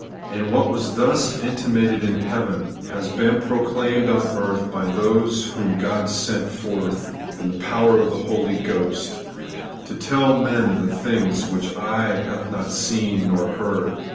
And what was thus inti mated in heaven has been proclaimed on earth by those whom God sent forth in the power of the Holy Ghost, to tell to men the things which eye had not seen nor ear heard.